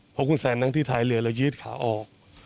เพราะคุณแซนนั่งที่ท้ายเรือแล้วยืดขาออก